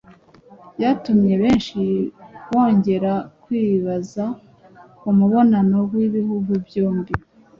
ryatumye benshi bongera kwibaza ku mubano w'ibihugu byombi